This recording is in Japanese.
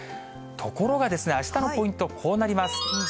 ところがですね、あしたのポイント、こうなります。